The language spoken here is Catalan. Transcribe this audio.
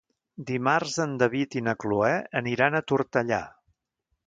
Dimarts en David i na Cloè aniran a Tortellà.